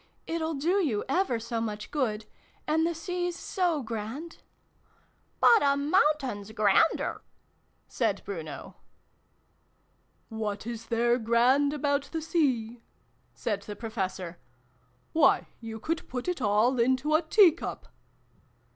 " It'll do you ever so much good ! And the Sea's so grand !"" But a Mountain's grander !" said Bruno. " What is there grand about the Sea ?" said the Professor. " Why, you could put it all into a teacup